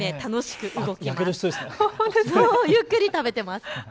ゆっくり食べています。